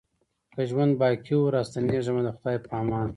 که ژوند باقي وو را ستنېږمه د خدای په امان